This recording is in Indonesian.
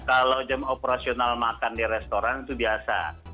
kalau jam operasional makan di restoran itu biasa